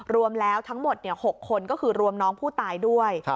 รวมแล้วทั้งหมด๖คนก็คือรวมน้องผู้ตายด้วย